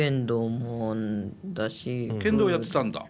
剣道やってたんだ？